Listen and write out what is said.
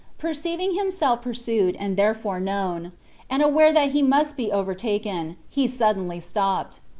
Perceiving himself pursued, and therefore known, and aware that he must be overtaken, he suddenly stopped.